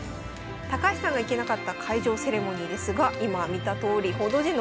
高橋さんが行けなかった開場セレモニーですが今見たとおり報道陣の数すごいですね。